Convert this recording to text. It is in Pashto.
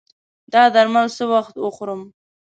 دا درمل څه وخت وخورم؟